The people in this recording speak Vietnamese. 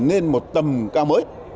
nên một tầm cao mới